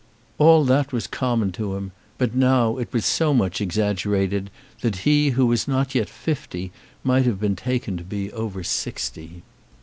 All that was common to him; but now it was so much exaggerated that he who was not yet fifty might have been taken to be over sixty.